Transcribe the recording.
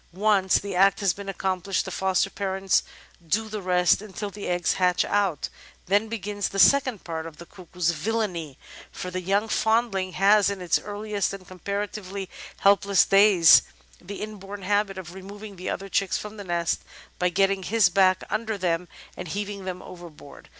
Once the act has been accomplished the foster parents do the rest until the eggs hatch out; then begins the second part of the Cuckoo's villainy, for the young foundling has in his earliest and com paratively helpless days the inborn habit of removing the other chicks from the nest by getting his back under them and heaving them overboard.